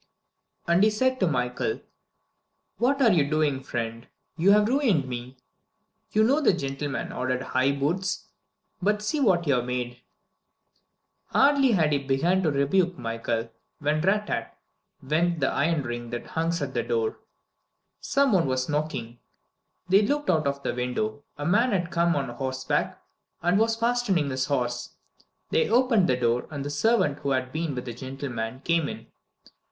And he said to Michael, "What are you doing, friend? You have ruined me! You know the gentleman ordered high boots, but see what you have made!" Hardly had he begun to rebuke Michael, when "rat tat" went the iron ring that hung at the door. Some one was knocking. They looked out of the window; a man had come on horseback, and was fastening his horse. They opened the door, and the servant who had been with the gentleman came in.